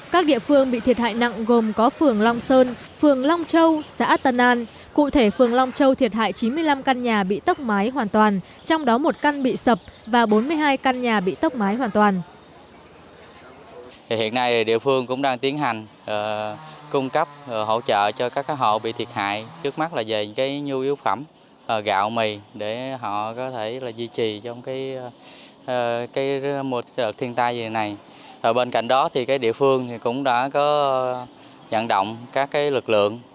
các địa phương bị thiệt hại nặng gồm có phường long sơn phường long châu xã tân an cụ thể phường long châu thiệt hại chín mươi năm căn nhà bị tốc mái hoàn toàn trong đó một căn bị sập và bốn mươi hai căn nhà bị tốc mái hoàn toàn